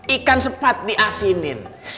ikan sepat diasinin